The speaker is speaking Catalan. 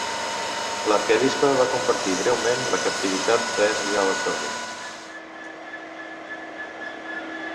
L'arquebisbe va compartir breument la captivitat de Henry a la Torre.